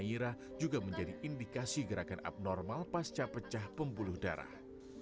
ira juga menjadi indikasi gerakan abnormal pasca pecah pembuluh darah